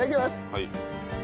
はい。